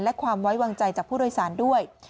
และความไว้วางใจจากผู้โดยสารด้วย